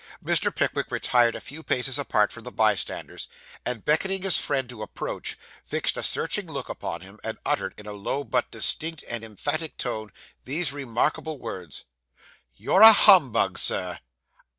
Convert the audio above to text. Mr. Pickwick retired a few paces apart from the bystanders; and, beckoning his friend to approach, fixed a searching look upon him, and uttered in a low, but distinct and emphatic tone, these remarkable words 'You're a humbug, sir.